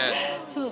そう。